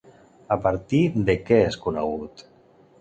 A partir de què és conegut?